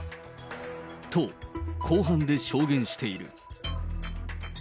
と、公判で証言している。